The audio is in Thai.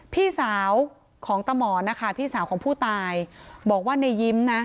พี่สาวของตะหมอนนะคะพี่สาวของผู้ตายบอกว่าในยิ้มนะ